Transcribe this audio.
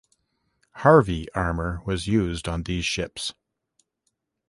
Harvey armor was used on these ships.